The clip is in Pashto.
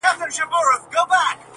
تاریخي خواړه کم مصالحې لرلې.